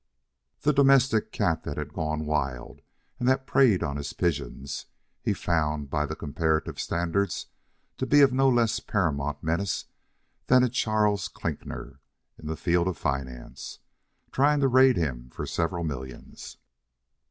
The domestic cat that had gone wild and that preyed on his pigeons, he found, by the comparative standard, to be of no less paramount menace than a Charles Klinkner in the field of finance, trying to raid him for several millions.